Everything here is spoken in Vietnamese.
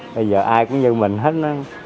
bây giờ ai cũng như mình hết á